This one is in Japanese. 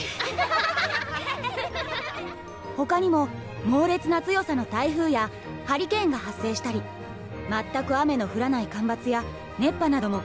ほかにも猛烈な強さの台風やハリケーンが発生したり全く雨の降らない干ばつや熱波なども各地で観測されています。